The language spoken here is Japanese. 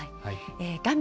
画面